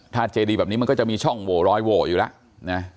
ถ้าเจดีแบบนี้มันก็จะมีช่องโหวรอยโหวอยู่แล้วนะ